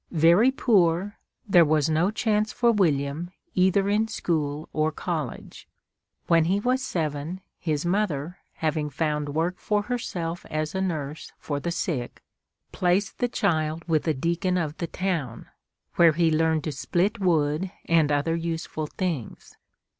Very poor, there was no chance for William, either in school or college. When he was seven, his mother, having found work for herself as a nurse for the sick, placed the child with a deacon of the town, where he learned to split wood and other useful things.